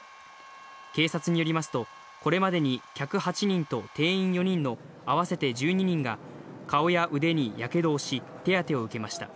警察によりますと、これまでに客８人と店員４人の合わせて１２人が顔や腕にやけどをし、手当てを受けました。